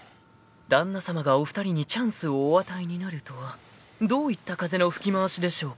［旦那さまがお二人にチャンスをお与えになるとはどういった風の吹き回しでしょうか］